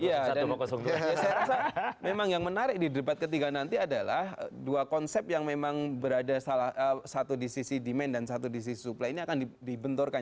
iya dan saya rasa memang yang menarik di debat ketiga nanti adalah dua konsep yang memang berada satu di sisi demand dan satu di sisi supply ini akan dibenturkan